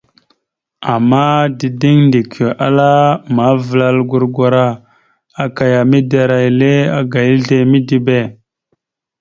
Ama dideŋ Ndekio ala amavəlal gurgwara aka ya midera ile aga izle midibe.